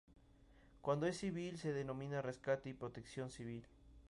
Cuando es civil se denomina rescate y protección civil.